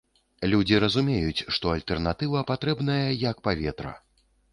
Людзі разумеюць, што альтэрнатыва патрэбная, як паветра!